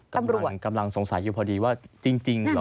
กำลังสงสัยอยู่พอดีว่าจริงหรอ